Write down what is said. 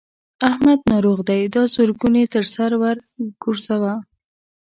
احمد ناروغ دی؛ دا زرګون يې تر سر ور ګورځوه.